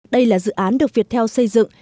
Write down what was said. đây là dự án được viettel xây dựng